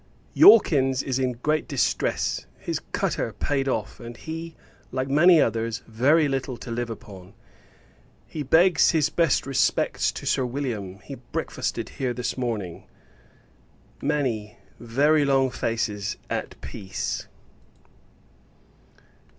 Yawkins is in great distress: his cutter paid off; and he, like many others, very little to live upon. He begs his best respects to Sir William. He breakfasted here this morning. Many very long faces at peace!